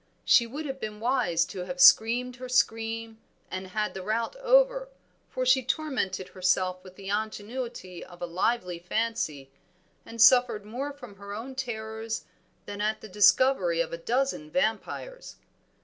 She would have been wise to have screamed her scream and had the rout over, for she tormented herself with the ingenuity of a lively fancy, and suffered more from her own terrors than at the discovery of a dozen vampires.